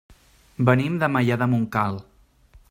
Venim de Maià de Montcal.